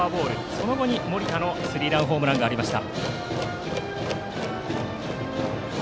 その後、森田のスリーランホームランがありました。